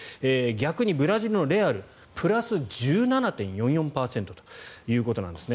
逆にブラジルのレアルプラス１７．４４％ということです。